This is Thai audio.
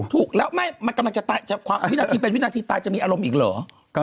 ถูกแล้วไม่มันกำลังจะตายวินาทีเป็นวินาทีตายจะมีอารมณ์อีกเหรอ